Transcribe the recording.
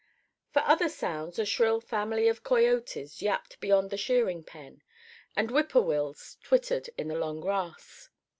For other sounds a shrill family of coyotes yapped beyond the shearing pen, and whippoorwills twittered in the long grass.